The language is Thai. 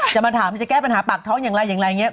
จะมาถามจะแก้ปัญหาปากท้องอย่างไรอย่างไรอย่างนี้